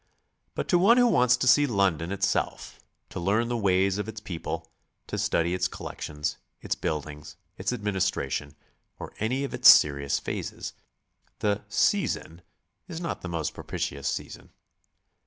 But to one who wants to see London itself, to learn the ways of its people, to study its collections, its buildings, its administration, or any of its serious phases, the "season" is not the most propitious season.